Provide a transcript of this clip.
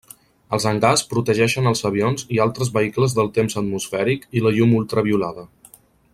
Els hangars protegeixen els avions i altres vehicles del temps atmosfèric i la llum ultraviolada.